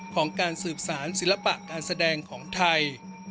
ของการสืบสารศิลปะการแสดงของไทย